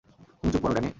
তুমি চুপ করো, ড্যানি।